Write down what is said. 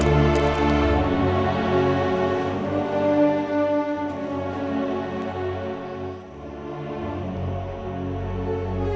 semoga berjaya semuanya